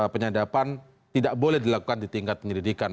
penyadapan tidak boleh dilakukan di tingkat penyelidikan